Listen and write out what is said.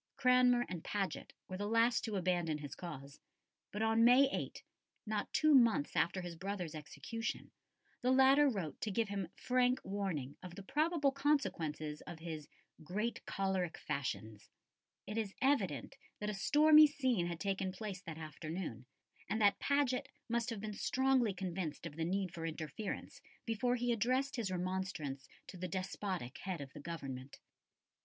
Cranmer and Paget were the last to abandon his cause, but on May 8 not two months after his brother's execution the latter wrote to give him frank warning of the probable consequences of his "great cholerick fashions." It is evident that a stormy scene had taken place that afternoon, and that Paget must have been strongly convinced of the need for interference before he addressed his remonstrance to the despotic head of the Government.